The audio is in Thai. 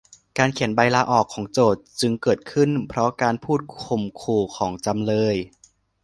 การเขียนใบลาออกของโจทก์จึงเกิดขึ้นเพราะการพูดข่มขู่ของจำเลย